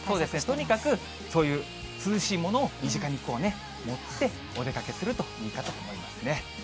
とにかく、そういう涼しいものを身近に持って、お出かけするといいかと思いますね。